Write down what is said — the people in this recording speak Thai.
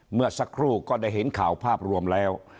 เมื่อสักครู่ก็ได้เห็นข่าวภาพรวมแล้ว